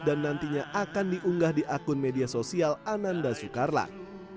dan nantinya akan diunggah di akun media sosial ananda sukarlak